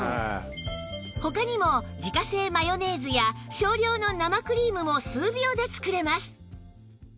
他にも自家製マヨネーズや少量の生クリームも数秒で作れます